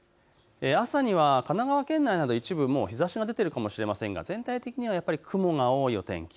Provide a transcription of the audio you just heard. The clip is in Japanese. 朝には神奈川県内など一部、日ざしが出ているかもしれませんが全体的には雲が多いお天気。